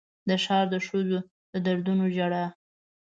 د ښار د ښځو د دردونو ژړا